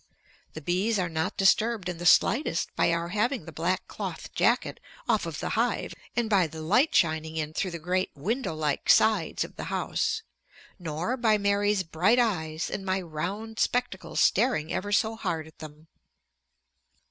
The bees are not disturbed in the slightest by our having the black cloth jacket off of the hive and by the light shining in through the great window like sides of the house, nor by Mary's bright eyes and my round spectacles staring ever so hard at them.